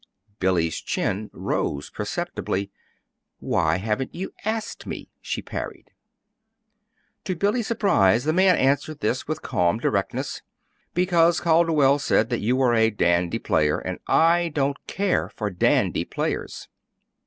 Billy's chin rose perceptibly. "Why haven't you asked me?" she parried. To Billy's surprise the man answered this with calm directness. "Because Calderwell said that you were a dandy player, and I don't care for dandy players."